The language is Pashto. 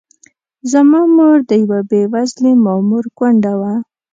زما مور د یوه بې وزلي مامور کونډه وه.